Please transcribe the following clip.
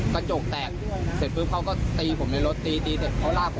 กระจกแตกเสร็จฟึบเขาก็ตีผมในรถตีเสร็จ